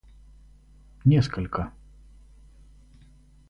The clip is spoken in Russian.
несколько